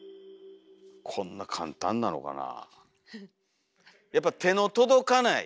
こんな簡単なのかな。